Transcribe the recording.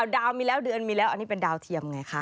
ดาวมีแล้วเดือนมีแล้วอันนี้เป็นดาวเทียมไงคะ